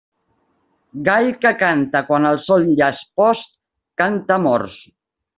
Gall que canta quan el sol ja és post, canta a morts.